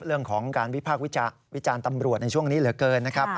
เรื่องของการวิพากษ์วิจารณ์ตำรวจในช่วงนี้เหลือเกินนะครับ